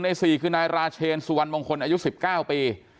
ใน๔คือนายราเชนสุวรรณมงคลอายุ๑๙ปี